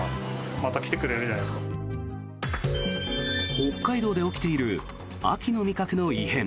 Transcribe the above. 北海道で起きている秋の味覚の異変。